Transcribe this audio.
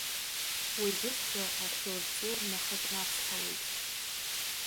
Уажәыҵәҟьа ахьурӡы нахакнасҳауеит.